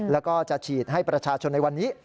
แล้วก็จะฉีดให้ประชาชนในวันนี้